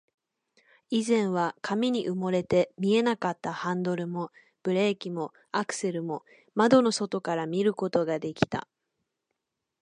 以前は紙に埋もれて見えなかったハンドルも、ブレーキも、アクセルも、窓の外から見ることができた